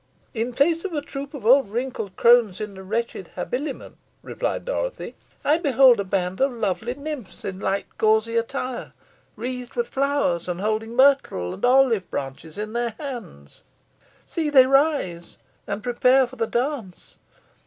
"In place of a troop of old wrinkled crones in wretched habiliments," replied Dorothy, "I behold a band of lovely nymphs in light gauzy attire, wreathed with flowers, and holding myrtle and olive branches in their hands. See they rise, and prepare for the dance.